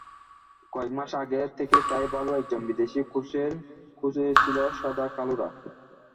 কয়েক মাস আগে থেকে তাই ভালো একজন বিদেশি কোচের খোঁজে ছিল সাদা-কালোরা।